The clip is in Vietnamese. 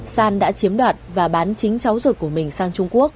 san đã chiếm đoạt và bán chính cháu ruột của mình sang trung quốc